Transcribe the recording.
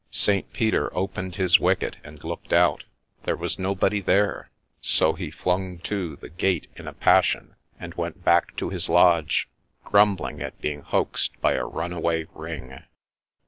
St. Peter opened his wicket, and looked out ;— there was nobody there ; so he flung to the gate in a passion, and went back to his lodge, grumbling at being hoaxed by a run away ring.